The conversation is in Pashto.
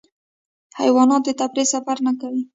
حیوانات د تفریح سفر نه کوي.